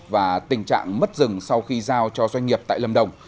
và tình trạng mất rừng sau khi giao cho doanh nghiệp tại lâm đồng